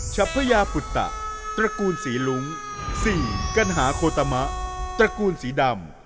ชัพพญาปุตตะกูลศรีลุ้ง๔กัณหาโคตามะตระกูลสีดำ